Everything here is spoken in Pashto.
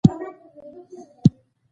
د سیاسي قبلې د سمولو لپاره ضرورت وبولو.